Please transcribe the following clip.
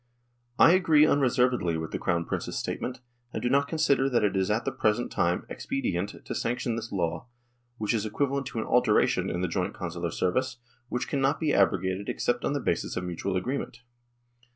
I agree unreservedly with the Crown Prince's statement, and do not consider that it is at the present time expedient to sanction this law, which is equivalent to an alteration in the joint consular service, which cannot be abrogated except on the basis of mutual agreement.